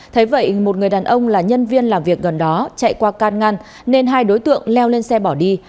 thấy vậy một người đàn ông là nhân viên làm việc gần đó chạy qua can ngăn nên hai đối tượng leo lên xe bỏ đi